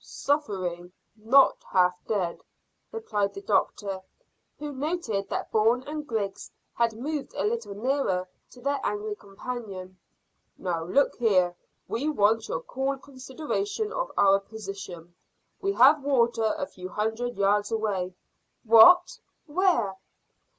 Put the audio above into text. "Suffering, not half dead," replied the doctor, who noted that Bourne and Griggs had moved a little nearer to their angry companion. "Now, look here, we want your cool consideration of our position. We have water a few hundred yards away." "What! Where?"